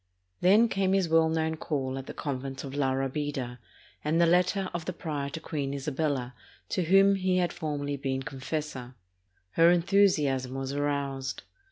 Then came his well known call at the convent of La Rabida and the letter of the prior to Queen Isabella, to whom he had formerly been confessor. Her enthusiasm was aroused.